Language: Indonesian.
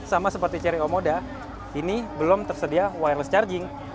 sama seperti cerio moda ini belum tersedia wireless charging